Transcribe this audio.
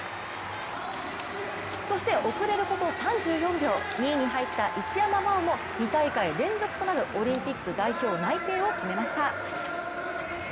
そして遅れること３４秒、２位に入った一山麻緒も２大会連続となるオリンピック代表内定を決めました。